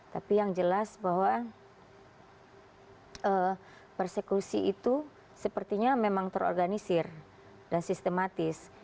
tapi yang jelas bahwa persekusi itu sepertinya memang terorganisir dan sistematis